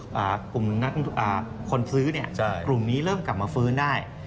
เพราะฉะนั้นถ้าเกิดกลุ่มคนซื้อนนี้กลุ่มนี้เริ่มกลับมาฟื้นได้